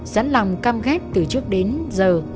dẫn lòng cam ghét từ trước đến giờ